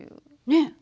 ねえ。